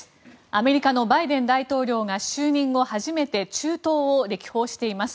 アメリカのバイデン大統領が就任後初めて中東を歴訪しています。